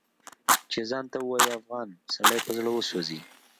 چې ځان ته ووايي افغان سړی په زړه وسوځي